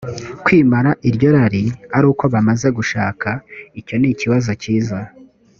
kwimara iryo rari ari uko bamaze gushaka icyo ni ikibazo cyiza